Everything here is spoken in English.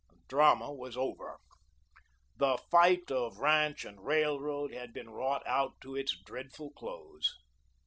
The drama was over. The fight of Ranch and Railroad had been wrought out to its dreadful close.